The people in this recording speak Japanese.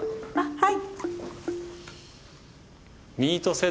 はい。